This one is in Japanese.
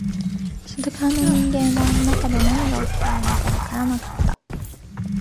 外側の人間は中で何が起きているのかわからなかった